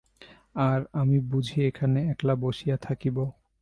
আর, আমি বুঝি এখানে একলা বসিয়া থাকিব।